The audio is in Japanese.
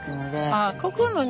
あここの庭